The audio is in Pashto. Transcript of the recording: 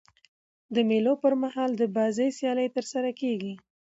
د مېلو پر مهال د بازۍ سیالۍ ترسره کیږي.